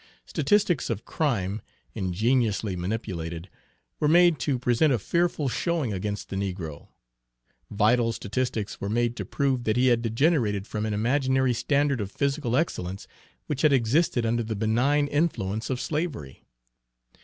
Statistics of crime, ingeniously manipulated, were made to present a fearful showing against the negro. Vital statistics were made to prove that he had degenerated from an imaginary standard of physical excellence which had existed under the benign influence of slavery.